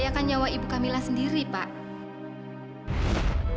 nikah hingga anak ibu kami belepas daging belalang mary demografi yang barangkali susunitnya